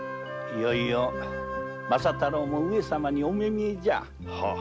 いよいよ政太郎も上様にお目見えじゃ。